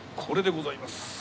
これでございます。